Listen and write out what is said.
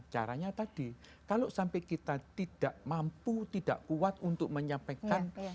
caranya tadi kalau sampai kita tidak mampu tidak kuat untuk menyampaikan